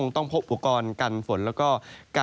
ในแต่ละพื้นที่เดี๋ยวเราไปดูกันนะครับ